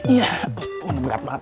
iya berat banget